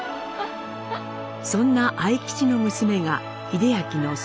そんな愛吉の娘が英明の祖母政子。